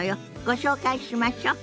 ご紹介しましょ。